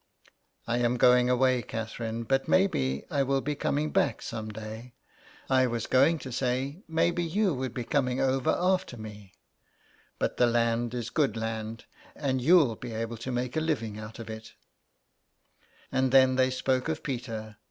" I am going away, Catherine, but maybe I will be coming back some day. I was going to say maybe you would be coming over after me ; but the 149 THE EXILE. land is good land, and you'll be able to make a living out of iV And then they spoke of Peter.